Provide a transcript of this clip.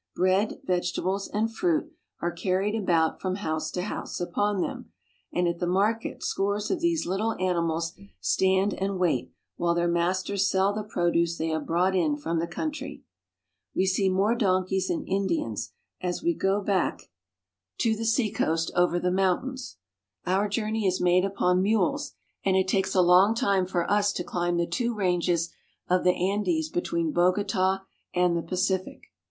Bread, vege tables, and fruit are carried about from house to house upon them, and at the market scores of these little ani mals stand and wait while their masters sell the produce they have brought in from the country. We see more donkeys and Indians as we go back to the CARP. S. AM.— 3 s« ECUADOR. seacoast over the mountains. Our journey is made upon mules, and it takes a lon^ time for us to climb the two ranges of the Andes between Bogota and the Pacific.